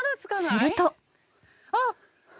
［すると］あっ！